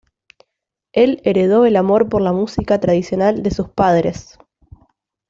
Él heredó el amor por la música tradicional de sus padres.